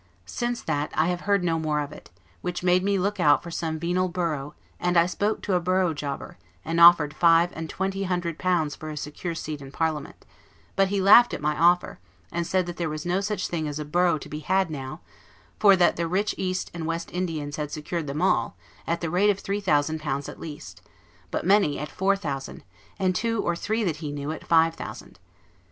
Since that, I have heard no more of it; which made me look out for some venal borough and I spoke to a borough jobber, and offered five and twenty hundred pounds for a secure seat in parliament; but he laughed at my offer, and said that there was no such thing as a borough to be had now, for that the rich East and West Indians had secured them all, at the rate of three thousand pounds at least; but many at four thousand, and two or three that he knew, at five thousand.